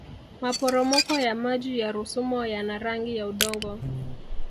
maporomoko ya maji ya rusumo yana rangi ya udongo